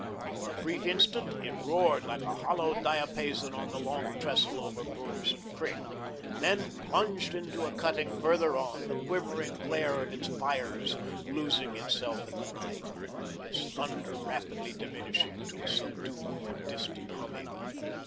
For a brief instant it roared with a hollow diapason on the Long Trestle over Broderson Creek, then plunged into a cutting farther on, the quivering glare of its fires losing itself in the night, its thunder abruptly diminishing to a subdued and distant humming.